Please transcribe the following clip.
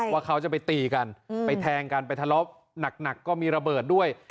ว่าเขาจะไปตีกันไปแทงกันไปทะเลาะหนักก็มีระเบิดด้วย